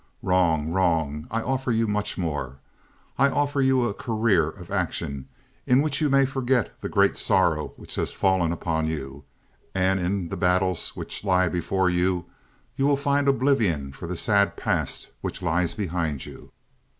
"Wrong, wrong! I offer you much more. I offer you a career of action in which you may forget the great sorrow which has fallen upon you: and in the battles which lie before you, you will find oblivion for the sad past which lies behind you."